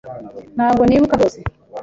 Ntabwo nibuka rwose.